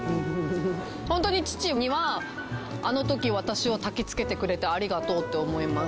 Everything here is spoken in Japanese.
本当に父には、あのとき私をたきつけてくれてありがとうって思います。